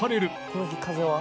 「この日風は？」